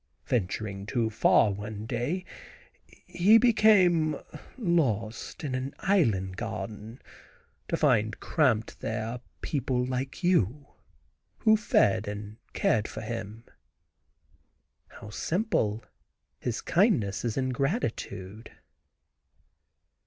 Venturing too far one day, he became lost in an island garden, to find camped there a people like you, who fed and cared for him." How simple; his kindness is in gratitude.